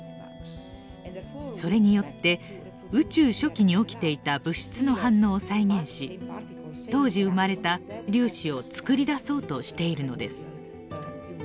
それによって宇宙初期に起きていた物質の反応を再現し当時生まれた粒子を作り出そうとしているのです。